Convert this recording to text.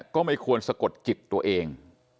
ก็ไม่ควรสะกดจิตตัวเอง